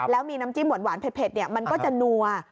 แล้วมีน้ำจิ้มหวานเผ็ดมันก็จะนัว